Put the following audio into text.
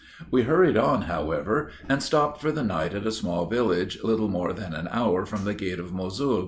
We hurried on, however, and stopped for the night at a small village little more than an hour from the gate of Mosul."